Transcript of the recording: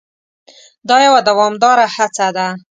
دا یوه دوامداره هڅه ده.